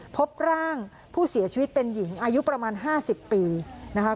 พบร่างผู้เสียชีวิตเป็นหญิงอายุประมาณ๕๐ปีนะคะ